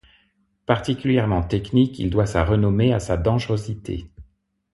Particulièrement technique, il doit sa renommée à sa dangerosité.